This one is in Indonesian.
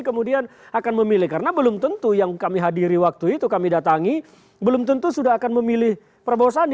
kemudian akan memilih karena belum tentu yang kami hadiri waktu itu kami datangi belum tentu sudah akan memilih prabowo sandi